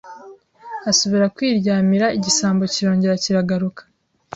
asubira kwiryamira Igisambo kirongera kiragaruka